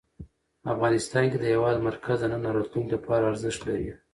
افغانستان کې د هېواد مرکز د نن او راتلونکي لپاره ارزښت لري.